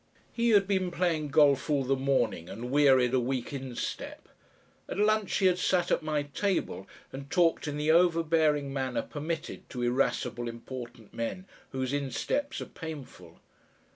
He had been playing golf all the morning and wearied a weak instep; at lunch he had sat at my table and talked in the overbearing manner permitted to irascible important men whose insteps are painful.